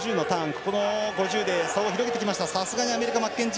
この５０で差を広げてきました。